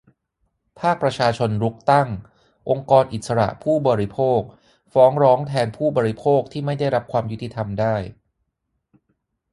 ภาคประชาชนรุกตั้ง "องค์กรอิสระผู้บริโภค" ฟ้องร้องแทนผู้บริโภคที่ไม่ได้รับความยุติธรรมได้